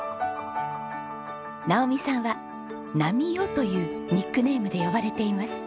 直美さんは「ナミオ」というニックネームで呼ばれています。